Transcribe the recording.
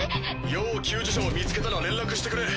要救助者を見つけたら連絡してくれ。